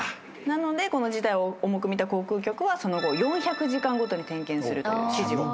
なのでこの事態を重く見た航空局はその後４００時間ごとに点検するという指示を。